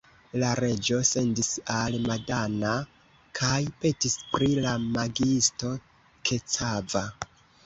La reĝo sendis al Madana kaj petis pri la magiisto Kecava.